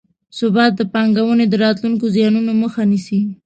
ثبات د پانګونې د راتلونکو زیانونو مخه نیسي.